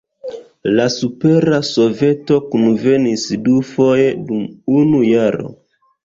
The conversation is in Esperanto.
La Supera Soveto kunvenis dufoje dum unu jaro.